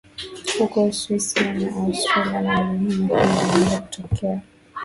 Huko Uswisi na Austria na milima hii ilianza kutokea